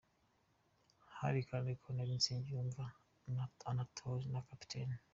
Hari kandi Colonel Nsengiyumva Anatole na Capt.